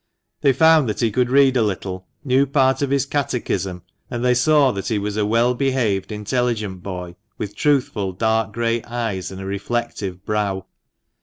They found that he could read a little, knew part of his catechism, and they saw that he was a well behaved, intelligent boy, with truthful dark grey eyes and a reflective brow.